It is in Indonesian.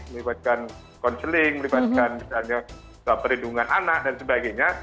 melibatkan konseling melibatkan misalnya perlindungan anak dan sebagainya